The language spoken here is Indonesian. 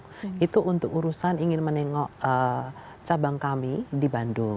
itu untuk urusan ingin menengok cabang kami di bandung